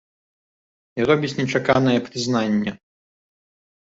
І робіць нечаканае прызнанне.